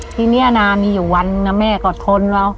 ที่เนี่ยนานนี้อยู่วันนั้นแม่ก็ทนว่า